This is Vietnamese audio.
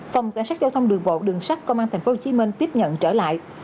phòng cảnh sát giao thông đường bộ đường sắt công an tp hcm tiếp nhận trở lại